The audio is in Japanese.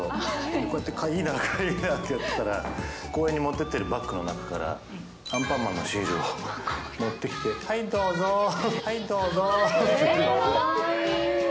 こうやって、かいーな、かいーなってやってたら、公園に持っていってるバッグの中から、アンパンマンのシールを持ってきて、はい、どうぞーって。